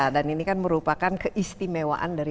dan ini kan merupakan keistimewaan dari